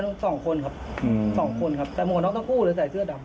หนูสองคนครับอืมสองคนครับแต่มองน้องต้องกู้เลยใส่เสื้อดำ